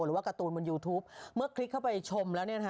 หรือว่าการ์ตูนบนยูทูปเมื่อคลิกเข้าไปชมแล้ว